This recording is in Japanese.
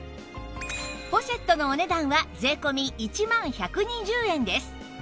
ポシェットのお値段は税込１万１２０円です